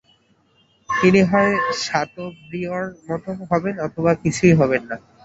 তিনি হয় শাতোব্রিয়ঁর মতো হবেন অথবা কিছুই হবেন না।